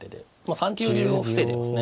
３九竜を防いでますね。